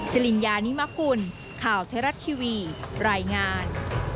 สิริญญานิมกุลข่าวไทยรัฐทีวีรายงาน